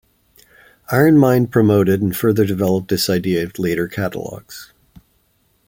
IronMind promoted and further developed this idea in later catalogs.